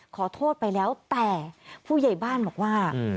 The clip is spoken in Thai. ขอโทษไปแล้วแต่ผู้ใหญ่บ้านบอกว่า